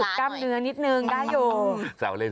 กล้ามเนื้อนิดนึงได้อยู่